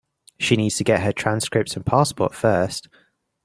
She needs to get her transcripts and passport first.